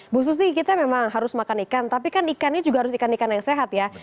bu susi kita memang harus makan ikan tapi kan ikannya juga harus ikan ikan yang sehat ya